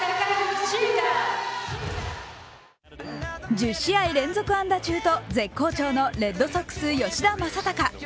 １０試合連続安打中と絶好調のレッドソックス・吉田正尚。